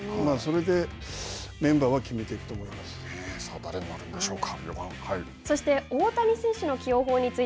それでメンバーは決めていくと思さあ誰になるんでしょうか。